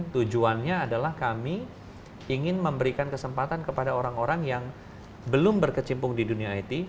tujuannya adalah kami ingin memberikan kesempatan kepada orang orang yang belum berkecimpung di dunia it